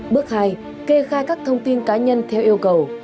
bước hai kê khai các thông tin cá nhân theo yêu cầu